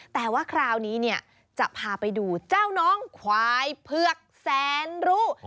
แต่ว่าคราวนี้เนี่ยจะพาไปดูเจ้าน้องควายเผือกแสนรู้